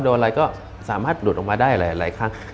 อะไรก็สามารถหลุดออกมาได้หลายครั้ง